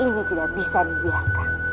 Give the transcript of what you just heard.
ini tidak bisa dibiarkan